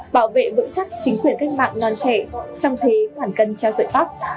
bảo vệ vững chắc chính quyền cách mạng non trẻ trong thế khoản cân treo sợi tóc